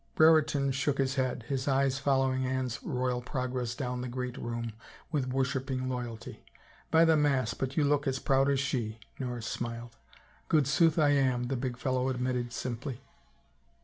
Brereton shook his head, his eyes following Anne's royal progress down the great room with worshiping loyalty. " By the mass, but you look as proud as she," Norris smiled. " Good sooth, I am," the big fellow admitted simply.